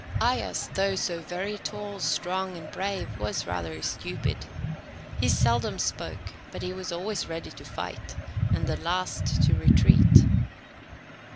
Aias, though so very tall, strong, and brave, was rather stupid. He seldom spoke, but he was always ready to fight, and the last to retreat.